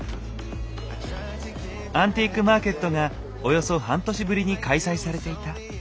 アンティークマーケットがおよそ半年ぶりに開催されていた。